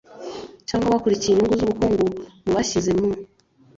cyangwa bakurikiye inyungu z ubukungu Mu bashyize mu